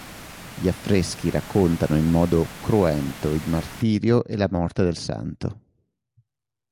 Gli affreschi raccontano in modo cruento il martirio e la morte del santo.